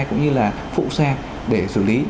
cũng như là phụ xe để xử lý